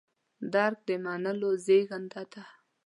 درک د منلو زېږنده ده.